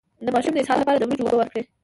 د ماشوم د اسهال لپاره د وریجو اوبه ورکړئ